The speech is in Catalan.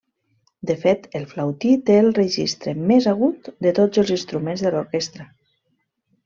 De fet, el flautí té el registre més agut de tots els instruments de l'orquestra.